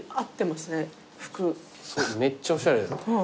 めっちゃおしゃれ。